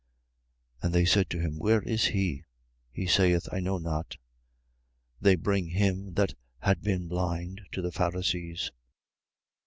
9:12. And they said to him: Where is he? He saith: I know not. 9:13. They bring him that had been blind to the Pharisees.